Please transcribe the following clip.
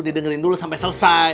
didengelin dulu sampai selesai